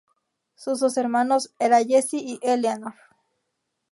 Su dos hermanos era Jessie y Eleanor.